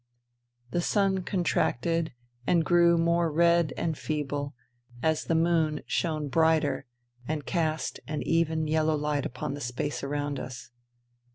The sun contracted and grew more red and feeble as the moon shone brighter and cast an even yellow light upon the space around us.